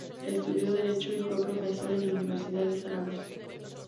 Estudió Derecho y fue profesor en la Universidad de Zaragoza.